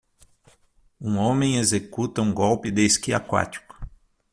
Um homem executa um golpe de esqui aquático.